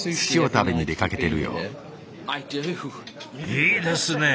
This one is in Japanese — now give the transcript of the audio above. いいですねえ！